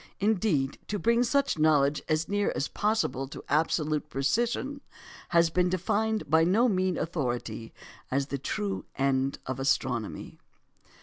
Indeed, to bring such knowledge as near as possible to absolute precision has been defined by no mean authority as the true end of astronomy.